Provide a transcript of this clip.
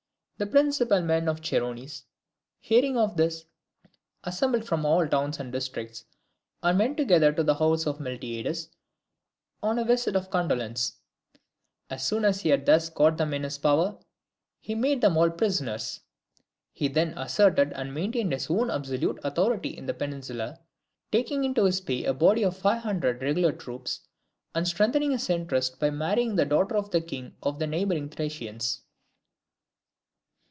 The principal men of the Chersonese, hearing of this, assembled from all the towns and districts, and went together to the house of Miltiades on a visit of condolence. As soon as he had thus got them in his power, he made them all prisoners. He then asserted and maintained his own absolute authority in the peninsula, taking into his pay a body of five hundred regular troops, and strengthening his interest by marrying the daughter of the king of the neighbouring Thracians.